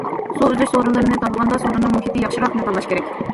سۇ ئۈزۈش سورۇنلىرىنى تاللىغاندا، سورۇننىڭ مۇھىتى ياخشىراقنى تاللاش كېرەك.